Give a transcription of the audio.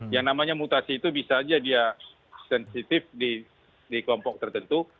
yang namanya mutasi itu bisa saja dia sensitif di kelompok tertentu